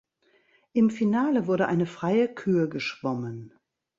Im Finale wurde eine freie Kür geschwommen.